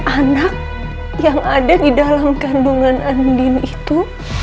anak yang ada di dalam kandungan andin itu